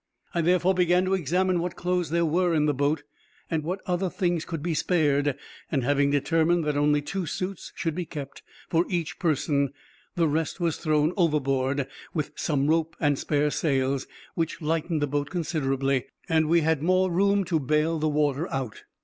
I therefore began to examine what clothes there were in the boat, and what other things could be spared; and having determined that only two suits should be kept for each person, the rest was thrown overboard, with some rope and spare sails, which lightened the boat considerably, and we had more room to bail the water out.